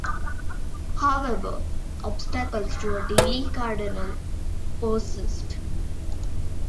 However, obstacles to a daily "Cardinal" persist.